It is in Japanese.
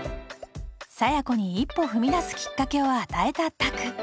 佐弥子に一歩踏み出すきっかけを与えた拓